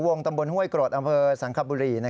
ตำบลห้วยกรดอำเภอสังคบุรี